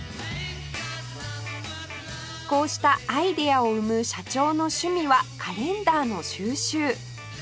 こうしたアイデアを生む社長の趣味はカレンダーの収集